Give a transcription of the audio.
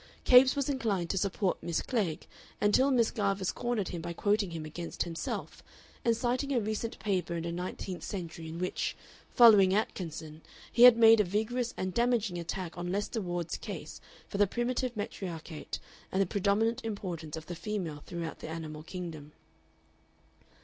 Capes was inclined to support Miss Klegg until Miss Garvice cornered him by quoting him against himself, and citing a recent paper in the Nineteenth Century, in which, following Atkinson, he had made a vigorous and damaging attack on Lester Ward's case for the primitive matriarchate and the predominant importance of the female throughout the animal kingdom.